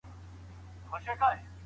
حقوقو پوهنځۍ په پټه نه بدلیږي.